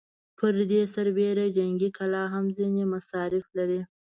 پر دې سربېره جنګي کلا هم ځينې مصارف لري.